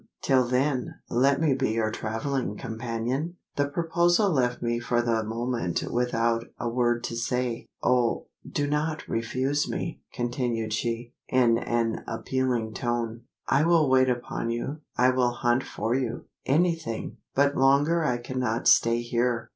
Till then, let me be your travelling companion?" The proposal left me for the moment without a word to say. "Oh, do not refuse me!" continued she, in an appealing tone; "I will wait upon you; I will hunt for you anything, but longer I cannot stay here.